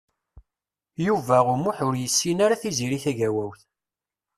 Yuba U Muḥ ur yessin ara Tiziri Tagawawt.